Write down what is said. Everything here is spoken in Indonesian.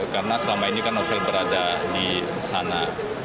karena selama ini novel berada di sana